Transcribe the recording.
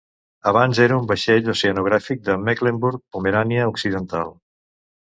Abans era un Vaixell oceanogràfic de Mecklenburg-Pomerània Occidental.